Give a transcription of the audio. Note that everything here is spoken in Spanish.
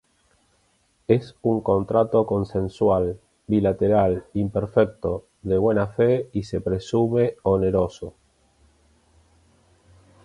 Es un contrato consensual, bilateral imperfecto, de buena fe y se presume oneroso.